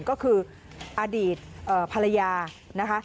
ก็คืออดีตภรรยานะคะ